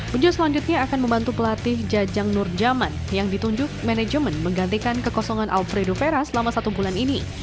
bejo selanjutnya akan membantu pelatih jajang nur jaman yang ditunjuk manajemen menggantikan kekosongan alfredo fera selama satu bulan ini